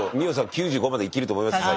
９５まで生きると思います。